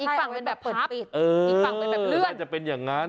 อีกฝั่งเป็นแบบเปิดปิดอีกฝั่งเป็นแบบเลือดน่าจะเป็นอย่างนั้น